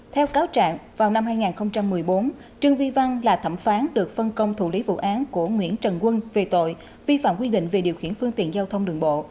theo cáo trạng vào năm hai nghìn một mươi bốn trương vi văn là thẩm phán được phân công thủ lý vụ án của nguyễn trần quân về tội vi phạm quy định về điều khiển phương tiện giao thông đường bộ